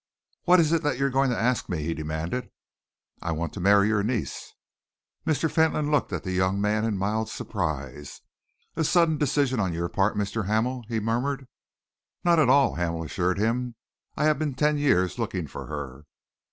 "What is it that you are going to ask me?" he demanded. "I want to marry your niece." Mr. Fentolin looked at the young man in mild surprise. "A sudden decision on your part, Mr. Hamel?" he murmured. "Not at all," Hamel assured him. "I have been ten years looking for her."